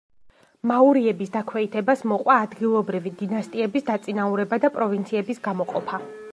მაურიების დაქვეითებას მოყვა ადგილობრივი დინასტიების დაწინაურება და პროვინციების გამოყოფა.